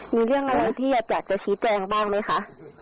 มีเรื่องอะไรที่อยากจะชี้แจงบ้างไหมคะ